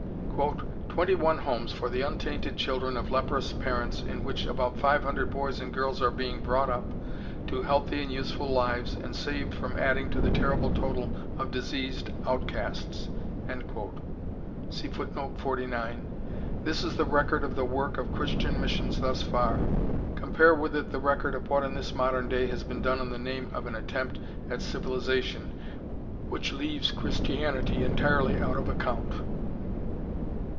] "Twenty one Homes for the untainted children of leprous parents in which about five hundred boys and girls are being brought up to healthy and useful lives and saved from adding to the terrible total of diseased outcasts," this is the record of the work of Christian missions thus far. Compare with it the record of what in this modern day has been done in the name of an attempt at civilization which leaves Christianity entirely out of account.